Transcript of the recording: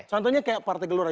contohnya kayak partai gelora